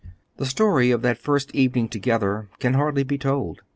The story of that first evening together can hardly be told.